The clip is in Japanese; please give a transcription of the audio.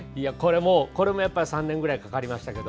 これも３年ぐらいかかりました。